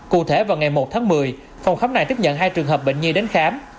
cụ thể vào ngày một tháng một mươi phòng khám này tiếp nhận hai trường hợp bệnh nhi đến khám